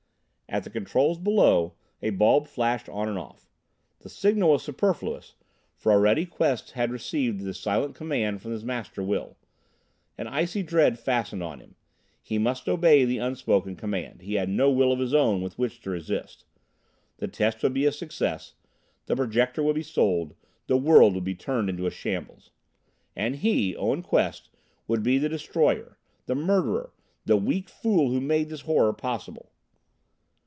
At the controls below, a bulb flashed on and off. The signal was superfluous, for already Quest had received his silent command from the Master Will. An icy dread fastened on him. He must obey the unspoken command; he had no will of his own with which to resist. The test would be a success; the Projector would be sold; the world would be turned into a shambles. And he, Owen Quest, would be the destroyer, the murderer, the weak fool who made this horror possible.